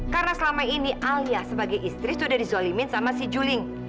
karena selama ini alia sebagai istri sudah dizolimin sama si juling